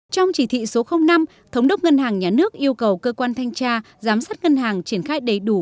trong chỉ thị số năm thống đốc ngân hàng nhà nước yêu cầu cơ quan thanh tra giám sát ngân hàng triển khai đầy đủ